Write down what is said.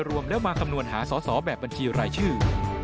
รวมแล้วมาคำนวณหาสอสอแบบบัญชีรายชื่อ